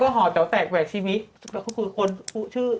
เป็นการกระตุ้นการไหลเวียนของเลือด